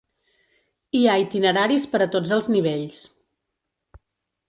Hi ha itineraris per a tots els nivells.